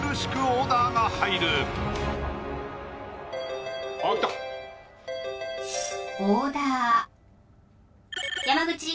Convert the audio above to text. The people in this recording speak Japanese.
「オーダー」